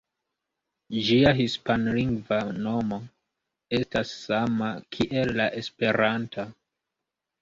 Ĝia hispanlingva nomo estas sama kiel la esperanta.